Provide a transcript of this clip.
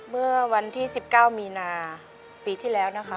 เมื่อวันที่๑๙มีนาปีที่แล้วนะคะ